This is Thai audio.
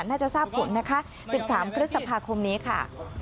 น่าจะทราบผลนะคะ๑๓พฤษภาคมนี้ค่ะ